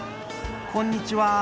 こんにちは。